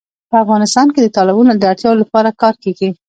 په افغانستان کې د تالابونو د اړتیاوو لپاره کار کېږي.